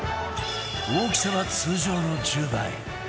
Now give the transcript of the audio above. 大きさは通常の１０倍